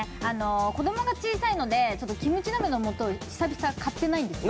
子供が小さいのでキムチ鍋の素、久々、買ってないんですよ。